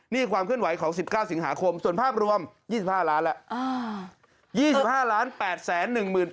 นี่ความเคลื่อนไหวของ๑๙สิงหาคมส่วนภาพรวม๒๕ล้านแล้ว